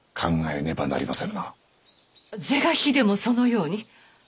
是が非でもそのように。